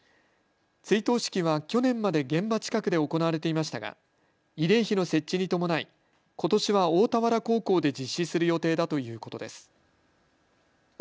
追悼式は去年まで現場近くで行われていましたが慰霊碑の設置に伴いことしは大田原高校で実施する予定だということです。